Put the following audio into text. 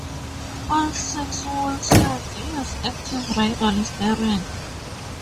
All six wheelsets use active radial steering.